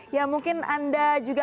ya mungkin anda juga